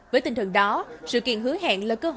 với tinh thần đó sự kiện hứa hẹn là cơ hội